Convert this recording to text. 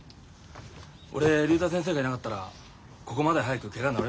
俺竜太先生がいなかったらここまで早くケガ治りませんでしたよ。